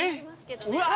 うわ！